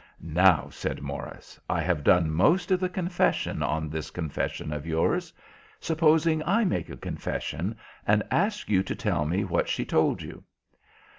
"Now," said Morris, "I have done most of the confession on this confession of yours. Supposing I make a confession, and ask you to tell me what she told you."